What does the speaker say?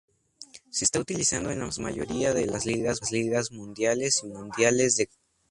Se está utilizando en las mayoría de las ligas, mundiales y mundiales de clubes.